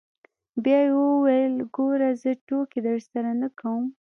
بيا يې وويل ګوره زه ټوکې درسره نه کوم.